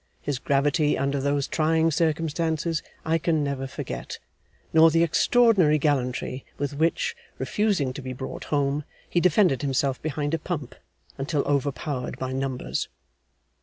His gravity under those trying circumstances, I can never forget, nor the extraordinary gallantry with which, refusing to be brought home, he defended himself behind a pump, until overpowered by numbers.